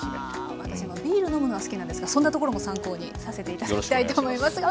うわ私もビール飲むのが好きなんですがそんなところも参考にさせて頂きたいと思いますが。